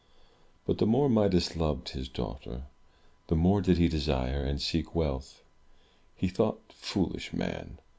But the more Midas loved his daughter, the more did he desire and seek wealth. He thought, foolish man!